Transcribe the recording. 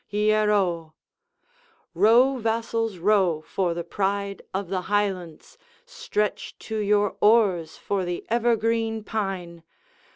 ieroe!' Row, vassals, row, for the pride of the Highlands! Stretch to your oars for the ever green Pine!